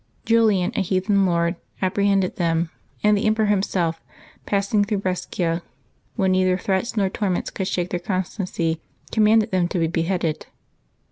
Julian, a heathen lord, apprehended them; and the emperor himself, passing through Brescia, when neither threats nor torments could shake their constancy, commanded them to be beheaded.